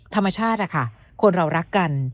ธรรมชาติคนเรารักกัน